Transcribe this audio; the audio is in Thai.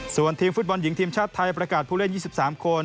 ส่วนทีมฟุตบอลหญิงทีมชาติไทยประกาศผู้เล่น๒๓คน